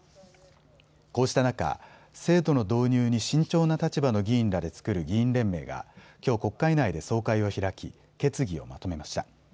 こうした中、制度の導入に慎重な立場の議員らで作る議員連盟がきょう国会内で総会を開き決議をまとめました。